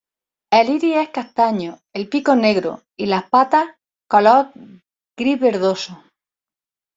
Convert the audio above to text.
El iris es castaño, el pico negro y las patas color gris verdoso.